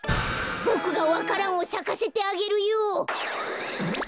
ボクがわか蘭をさかせてあげるよ。